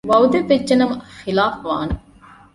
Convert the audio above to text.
ވަޢުދެއްވެއްޖެނަމަ ޚިލާފުވާނެ